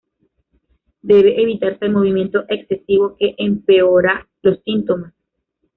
Debe evitarse el movimiento excesivo que empeora los síntomas.